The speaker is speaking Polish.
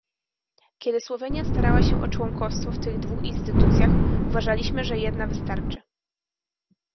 Kiedy Słowenia starała się o członkostwo w tych dwóch instytucjach, uważaliśmy, że jedna wystarczy